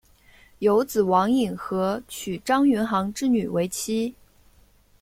有子王尹和娶张云航之女为妻。